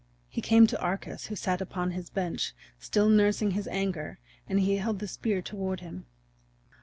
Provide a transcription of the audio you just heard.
He came to Arcas who sat upon his bench, still nursing his anger, and he held the spear toward him.